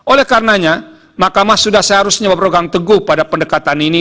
oleh karenanya mahkamah sudah seharusnya berpegang teguh pada pendekatan ini